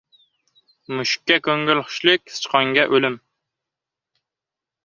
• Mushukka — ko‘ngilxushlik, sichqonga — o‘lim.